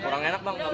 kurang enak bang